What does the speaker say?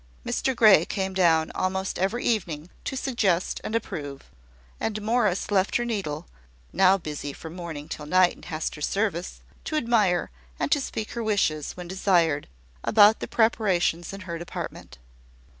Mr Grey came down almost every evening to suggest and approve; and Morris left her needle (now busy from morning till night in Hester's service) to admire, and to speak her wishes, when desired, about the preparations in her department.